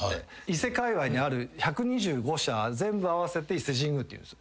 伊勢かいわいにある１２５社全部合わせて伊勢神宮っていうんです。